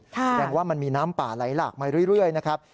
แสดงว่ามันมีน้ำป่าไหลหลากมาเรื่อยนะครับ